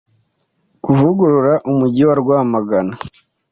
kuvugurura umujyi wa Rwamagana